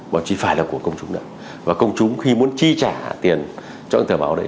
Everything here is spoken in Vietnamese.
báo chí phải là của công chúng đạt và công chúng khi muốn chi trả tiền cho những tờ báo đấy